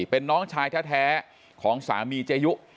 เป็นน้องชายแท้ของสามีเจยุ